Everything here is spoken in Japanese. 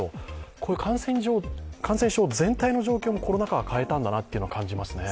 こういう感染症全体の状況もコロナ禍が変えたんだなと思いますね。